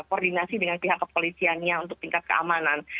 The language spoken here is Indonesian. koordinasi dengan pihak kepolisiannya untuk tingkat keamanan